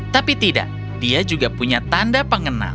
tapi tidak dia juga punya tanda pengenal